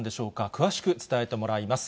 詳しく伝えてもらいます。